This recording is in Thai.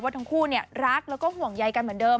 ทั้งคู่รักแล้วก็ห่วงใยกันเหมือนเดิม